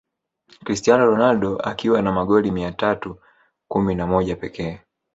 Cristiano Ronaldo akiwa na magoli mia tau kumi na mojapekee